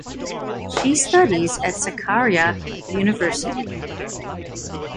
She studies at Sakarya University.